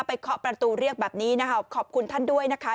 เคาะประตูเรียกแบบนี้นะคะขอบคุณท่านด้วยนะคะ